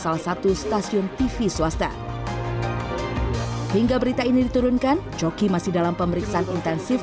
salah satu stasiun tv swasta hingga berita ini diturunkan coki masih dalam pemeriksaan intensif